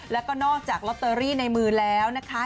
แล้วก็นอกจากลอตเตอรี่ในมือแล้วนะคะ